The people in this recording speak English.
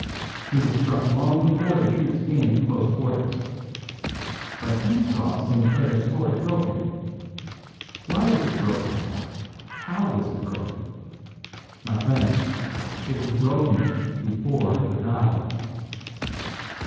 He was struck long before the troops came to close quarters. But he saw St. Clare's sword broken. Why was it broken? How was it broken? My friend, it was broken before the battle."